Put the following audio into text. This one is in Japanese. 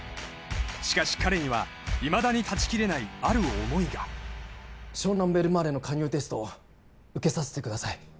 しかし彼にはいまだに断ち切れないある思いが湘南ベルマーレの加入テストを受けさせてください